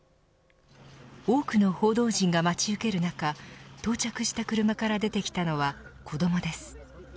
多くの報道陣が待ち受ける中到着した車から出てきたのは子どもです。